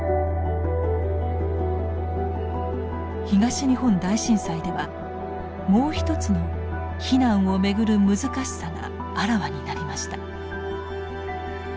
東日本大震災ではもう一つの避難を巡る難しさがあらわになりました。